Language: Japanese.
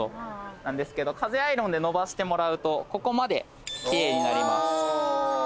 なんですけど風アイロンでのばしてもらうとここまで奇麗になります。